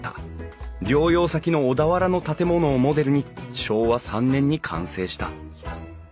療養先の小田原の建物をモデルに昭和３年に完成した。